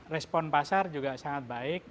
respon pasar juga sangat baik